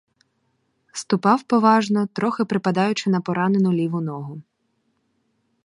Ступав поважно, трохи припадаючи на поранену, ліву ногу.